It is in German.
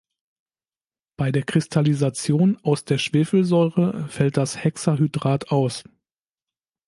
Bei der Kristallisation aus der Schwefelsäure fällt das Hexahydrat aus.